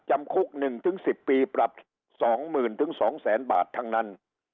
จำคุก๑๑๐ปีปรับ๒๐๐๐๒๐๐๐บาททั้งนั้น